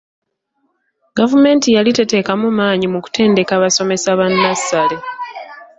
Gavumenti yali teteekamu maanyi mu kutendeka basomesa ba nnassale.